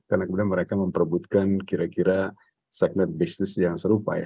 karena kemudian mereka memperbutkan kira kira segment bisnis yang serupa ya